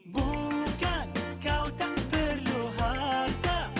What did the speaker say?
bukan kau tak perlu harta